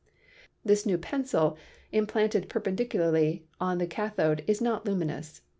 This new pencil implanted perpendicularly on the cathode is not luminous.